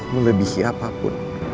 lo lebih siap apapun